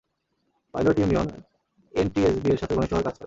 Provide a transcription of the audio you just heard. Pilot union NTSB এর সাথে ঘনিষ্ঠভাবে কাজ করে।